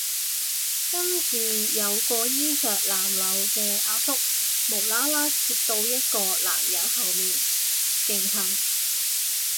跟住有個衣衫襤褸嘅阿叔無啦啦貼到一個男人後面勁近